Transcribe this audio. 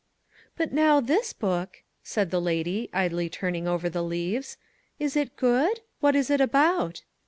"But now, this book," said the lady, idly turning over the leaves, "is it good? What is it about?"